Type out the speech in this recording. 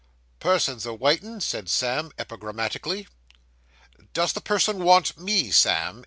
'Person's a waitin',' said Sam, epigrammatically. 'Does the person want me, Sam?